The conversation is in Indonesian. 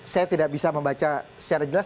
saya tidak bisa membaca secara jelas